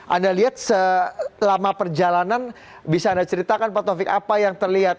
anda lihat selama perjalanan bisa anda ceritakan pak taufik apa yang terlihat